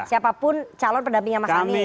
siapapun calon pendampingnya mas anies